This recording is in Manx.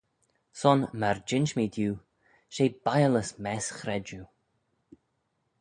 Son, myr jinsh mee diu, she biallys mess chredjue.